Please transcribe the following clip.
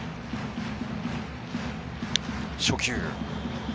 初球。